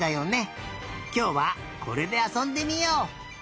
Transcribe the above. きょうはこれであそんでみよう。